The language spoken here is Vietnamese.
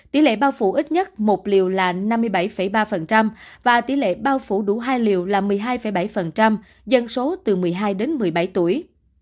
tỷ lệ bao phủ ít nhất một liều là năm mươi bảy ba và tỷ lệ bao phủ đủ hai liều là một mươi hai bảy dân số từ một mươi hai đến một mươi bảy tuổi